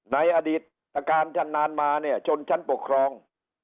ในอดีตอาการฉันนานมาเนี่ยชนชั้นปกครอง